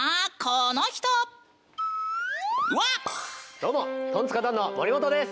どうもトンツカタンの森本です。